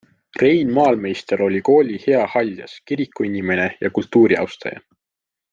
Rein Maalmeister oli kooli hea haldjas, kirikuinimene, kultuuriaustaja.